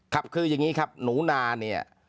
ครับคืออย่างนี้ครับหนูนาเนี่ย